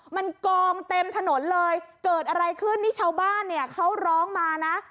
มันกองเต็มถนนเลยเกิดอะไรขึ้นนี่ชาวบ้านเนี่ยเขาร้องมานะ